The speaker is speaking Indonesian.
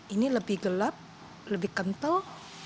ini lebih gelap lebih kental